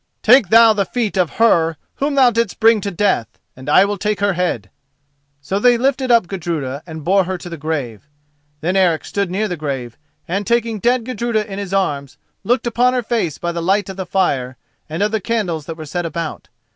"Take thou the feet of her whom thou didst bring to death, and I will take her head." So they lifted up Gudruda and bore her to the grave. Then Eric stood near the grave, and, taking dead Gudruda in his arms, looked upon her face by the light of the fire and of the candles that were set about.